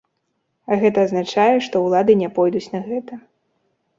А гэта азначае, што ўлады не пойдуць на гэта.